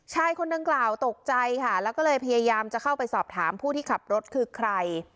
ชายคนดังกล่าวตกใจค่ะแล้วก็เลยพยายามจะเข้าไปสอบถามผู้ที่ขับรถคือใคร